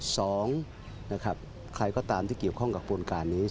สองนะครับใครก็ตามที่เกี่ยวข้องกับโครงการนี้